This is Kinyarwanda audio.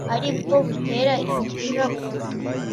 ari bwo butera imvura kugwa